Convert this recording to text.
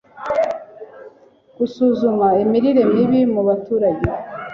gusuzuma imirire mibi mu baturage